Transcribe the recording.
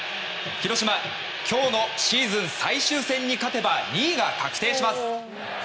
広島、今日のシーズン最終戦に勝てば２位が確定します。